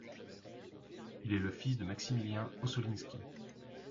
Il est le fils de Maximilien Ossolinski.